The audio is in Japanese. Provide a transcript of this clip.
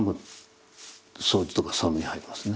掃除とか作務に入りますね。